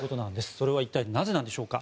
それは一体なぜなんでしょうか。